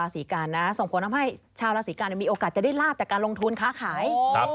สมบูรณ์ทำให้ชาวลาศิการมีโอกาสเจอได้ราบจากการลงทุนค้าขาย